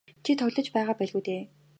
Чи тоглож байгаа байлгүй дээ.